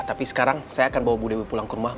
tapi sekarang saya akan bawa bu dewi pulang ke rumah